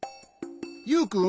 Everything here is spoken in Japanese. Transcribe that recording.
ユウくん。